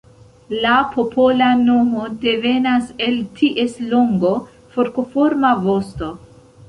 La popola nomo devenas el ties longo forkoforma vosto.